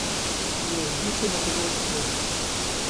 He was Deacon of the Goldsmiths.